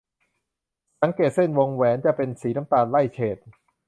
สังเกตเส้นวงแหวนจะเป็นสีน้ำตาลไล่เฉด